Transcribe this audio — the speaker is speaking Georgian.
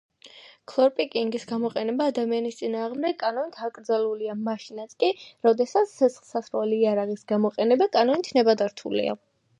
ქლორპიკრინის გამოყენება ადამიანის წინააღმდეგ კანონით აკრძალულია მაშინაც კი, როდესაც ცეცხლსასროლი იარაღის გამოყენება კანონით ნებადართულია.